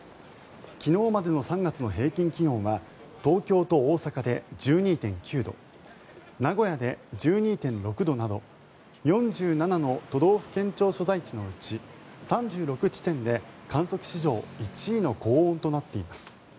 昨日までの３月の平均気温は東京と大阪で１２．９度名古屋で１２．６度など４７の都道府県庁所在地のうち３６地点で観測史上１位の高温となっています。